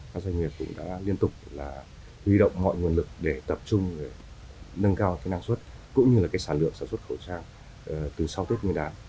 các doanh nghiệp cũng đã liên tục là huy động mọi nguồn lực để tập trung nâng cao năng suất cũng như là sản lượng sản xuất khẩu trang từ sau tết nguyên đán